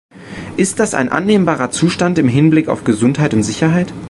Ist das ein annehmbarer Zustand im Hinblick auf Gesundheit und Sicherheit?